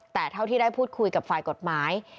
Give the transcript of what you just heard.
แต่เท่าที่ได้พูดคุยกับฝ่ายกฎหมาย